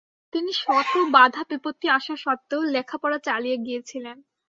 তিনি শত বাধাবিপত্তি আসা সত্ত্বেও লেখাপড়া চালিয়ে গিয়েছিলেন।